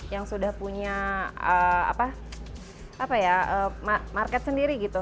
yang sudah punya apa ya market sendiri gitu